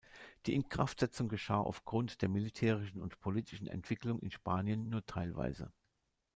Die Inkraftsetzung geschah auf Grund der militärischen und politischen Entwicklung in Spanien nur teilweise.